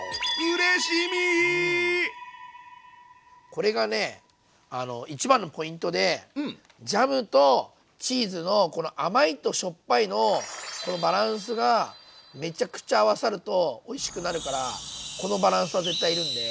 これがね一番のポイントでジャムとチーズのこの甘いとしょっぱいのこのバランスがめちゃくちゃ合わさるとおいしくなるからこのバランスは絶対要るんで。